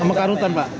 sama karutan pak